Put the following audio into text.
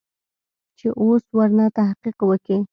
چې اوس ورنه تحقيق وکې.